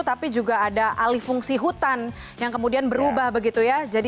tapi juga ada alih fungsi hutan yang kemudian berubah begitu ya